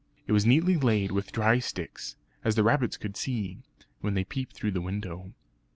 It was neatly laid with dry sticks, as the rabbits could see, when they peeped through the window.